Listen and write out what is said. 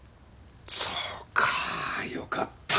そうかよかった。